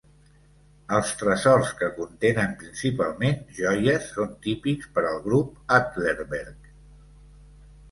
Els tresors que contenen principalment joies són típics per al grup Adlerberg.